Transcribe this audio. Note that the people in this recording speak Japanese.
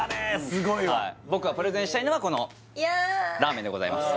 すごいわ僕がプレゼンしたいのはこのラーメンでございます